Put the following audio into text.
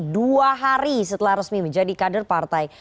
dua hari setelah resmi menjadi kader partai